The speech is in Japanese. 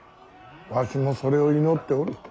わしもそれを祈っておる。